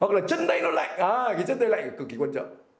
hoặc là chân đây nó lạnh cái chân đây lạnh là cực kỳ quan trọng